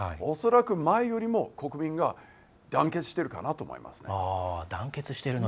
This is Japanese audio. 恐らく、前よりも国民が団結しているかなと思いますね。